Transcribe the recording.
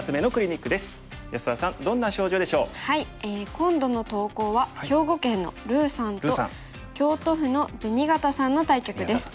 今度の投稿は兵庫県のるぅさんと京都府のぜにがたさんの対局です。